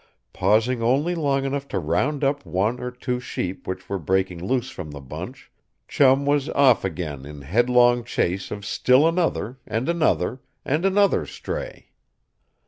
Pausing only long enough to round up one or two sheep which were breaking loose from the bunch Chum was off again in headlong chase of still another and another and another stray.